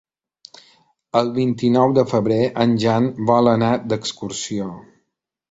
El vint-i-nou de febrer en Jan vol anar d'excursió.